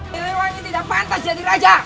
heliwangi tidak pantas jadi raja